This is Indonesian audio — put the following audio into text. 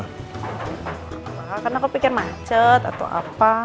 gak apa apa karena aku pikir macet atau apa